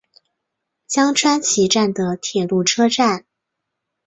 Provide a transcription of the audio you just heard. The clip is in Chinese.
江川崎站的铁路车站。